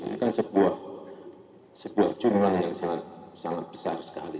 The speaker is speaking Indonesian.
ini kan sebuah jumlah yang sangat besar sekali